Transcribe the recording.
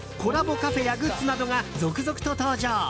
カフェやグッズなどが続々と登場。